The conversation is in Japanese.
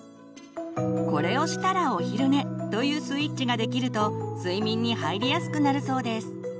「これをしたらお昼寝」というスイッチができると睡眠に入りやすくなるそうです。